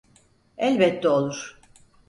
Elbette olur.